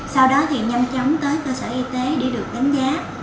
sau đó thì nhanh chóng tới cơ sở y tế để được đánh giá